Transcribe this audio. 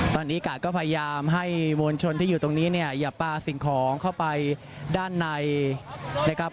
ตอนนี้กาดก็พยายามให้มวลชนที่อยู่ตรงนี้เนี่ยอย่าปลาสิ่งของเข้าไปด้านในนะครับ